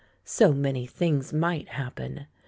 So many things might hap pen!